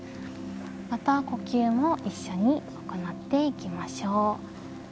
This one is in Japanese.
また呼吸も一緒に行っていきましょう。